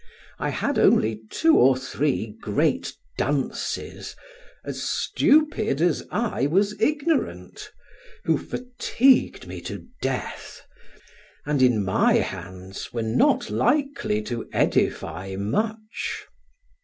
I had only two or three great dunces, as stupid as I was ignorant, who fatigued me to death, and in my hands were not likely to edify much.